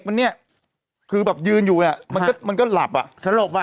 มันเนี่ยคือแบบยืนอยู่อ่ะมันก็มันก็หลับอ่ะสลบอ่ะ